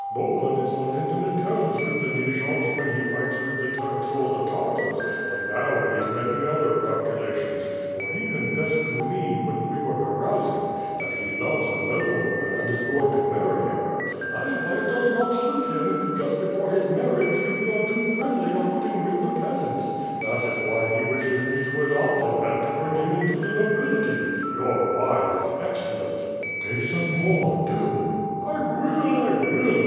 Bohun is on intimate terms with the Nijovs when he fights with the Turks or the Tartars; but now he is making other calculations, for he confessed to me, when we were carousing, that he loves a noblewoman and is going to marry her. That is why it does not suit him just io6 ^^^^^ Pi^^ ^^^ sWokD. before his marriage to be on too friendly a footing with the peasants. That is why he wishes me to adopt him and to bring him into the nobility. Your wine is excellent!" "Take some more, do!" "I will! I will!